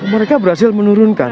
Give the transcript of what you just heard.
mereka berhasil menurunkan